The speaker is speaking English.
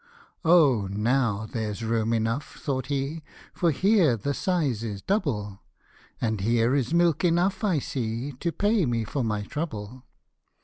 " O ! now there's room enough," thought he, " For here the size is double ; And here is milk enough, I see, To pay me for my trouble."